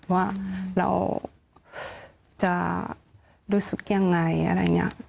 ว่าเราจะรู้สึกยังไงอะไรเนี่ย